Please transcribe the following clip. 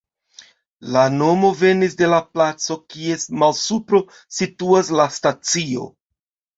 La nomo venis de la placo, kies malsupro situas la stacio.